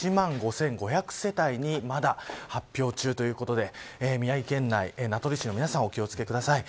今、１万５５００世帯にまだ、発表中ということで宮城県内名取市の皆さんお気をつけください。